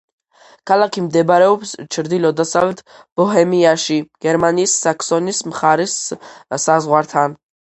ქალაქი მდებარეობს ჩრდილო-დასავლეთ ბოჰემიაში, გერმანიის საქსონიის მხარის საზღვართან.